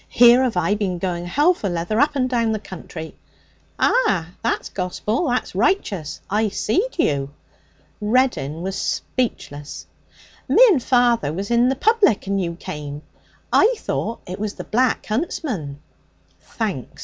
Here have I been going hell for leather up and down the country.' 'Ah! That's gospel! That's righteous! I seed you.' Reddin was speechless. 'Me and father was in the public, and you came. I thought it was the Black Huntsman.' 'Thanks.